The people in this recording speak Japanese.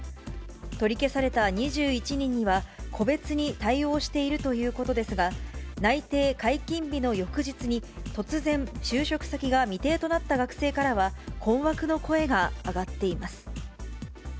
取り消された２１人には、個別に対応しているということですが、内定解禁日の翌日に、突然、就職先が未定となった学生からは、困惑の声が上がっています。